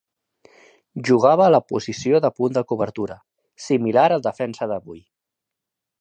Jugava a la posició de punt de cobertura, similar al defensa d'avui.